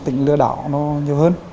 tính lừa đảo nó nhiều hơn